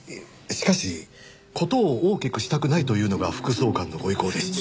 しかし事を大きくしたくないというのが副総監のご意向でして。